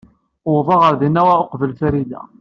Uwḍeɣ ɣer din uqbel Farida.